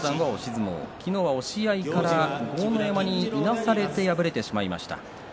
昨日は押し合いから豪ノ山にいなされて敗れてしまいました。